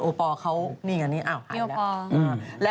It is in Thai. โอปอล์